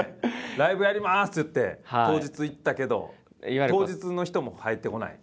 「ライブやります」って言って当日行ったけど当日の人も入ってこない？